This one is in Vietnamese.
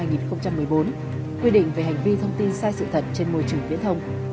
nghị định một trăm bảy mươi bốn quy định về hành vi thông tin sai sự thật trên môi trường viễn thông